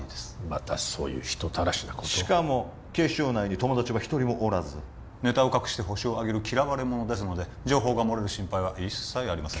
またそういう人たらしなことをしかも警視庁内に友達は一人もおらずネタを隠してホシを挙げる嫌われ者ですので情報がもれる心配は一切ありません